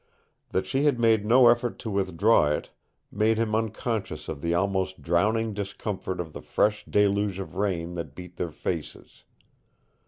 That she had made no effort to withdraw it made him unconscious of the almost drowning discomfort of the fresh deluge of rain that beat their faces.